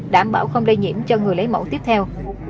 đảm bảo không lây nhiễm cho người lấy mẫu tiếp theo